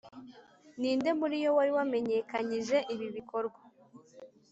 ni nde muri yo wari wamenyekanyije ibi bikorwa,